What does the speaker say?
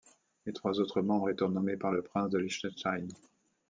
Les trois autres membres étant nommés par le Prince de Liechtenstein.